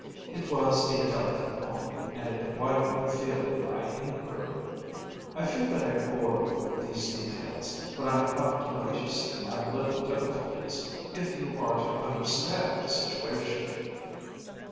It was a delicate point, and it widened the field of my inquiry. I fear that I bore you with these details, but I have to let you see my little difficulties, if you are to understand the situation.